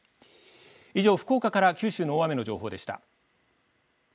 以上、福岡から九州の大雨の情報でした。